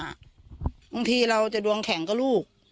บางทีเราจะดวงแข็งก็ลูก